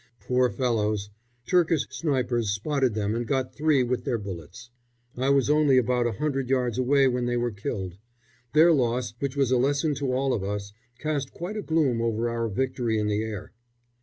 Poor fellows! Turkish snipers spotted them and got three with their bullets. I was only about a hundred yards away when they were killed. Their loss, which was a lesson to all of us, cast quite a gloom over our victory in the air.